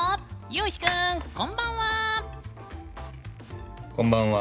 ゆうひ君、こんばんは！